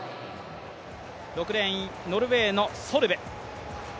６レーン、ノルウェーのソルブ。